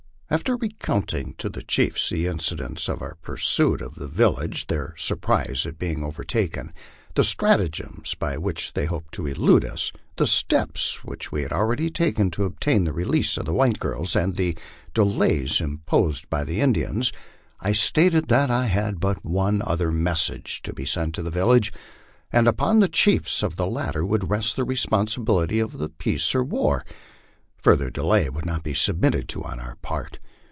After recounting to the chiefs the incidents of our pursuit of the village, their surprise at being overtaken, the stratagems by which they hoped to elude us, the steps we had already taken to obtain the release of the white girls, and the delays inter posed by the Indians, I stated that I had but one other message to send to the village; and upon the chiefs of the latter would rest the responsibility of peace or war. Further delay would not be submitted to on our part.